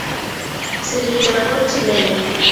Seleccionador chileno.